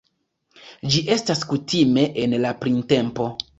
Ĝi estas kutime en la printempo.